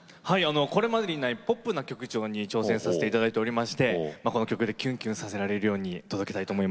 これまでにないポップな曲調に挑戦させて頂いておりましてこの曲でキュンキュンさせられるように届けたいと思います。